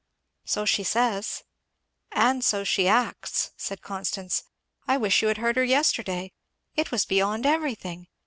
"So she says." "And so she acts," said Constance. "I wish you had heard her yesterday. It was beyond everything.